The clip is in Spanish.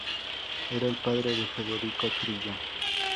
Era el padre de Federico Trillo.